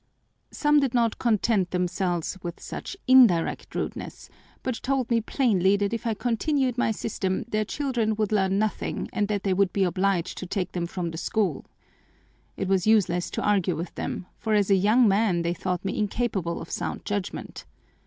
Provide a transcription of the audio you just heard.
Some did not content themselves with such indirect rudeness, but told me plainly that if I continued my system their children would learn nothing and that they would be obliged to take them from the school It was useless to argue with them, for as a young man they thought me incapable of sound judgment.